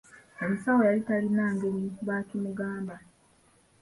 Omusawo yali talina ngeri bw'akimugamba.